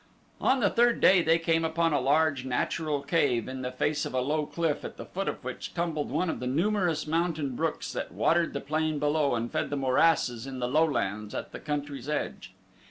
On the third day they came upon a large natural cave in the face of a low cliff at the foot of which tumbled one of the numerous mountain brooks that watered the plain below and fed the morasses in the lowlands at the country's edge.